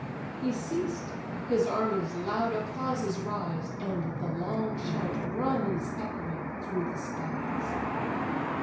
He ceased; his army's loud applauses rise, And the long shout runs echoing through the skies.